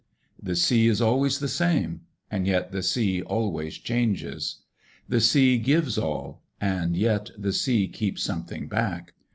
The sea is always the same: and yet the sea always changes. The sea gives all, and yet the sea keeps something back.